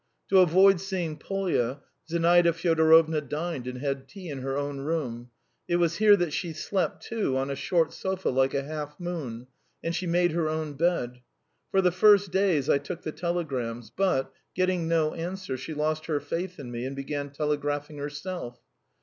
To avoid seeing Polya, Zinaida Fyodorovna dined and had tea in her own room; it was here that she slept, too, on a short sofa like a half moon, and she made her own bed. For the first days I took the telegrams; but, getting no answer, she lost her faith in me and began telegraphing herself.